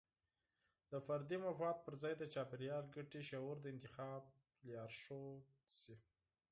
د فردي مفاد پر ځای د چاپیریال ګټې شعور د انتخاب لارښود شي.